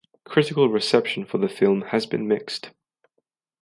Critical reception for the film has been mixed.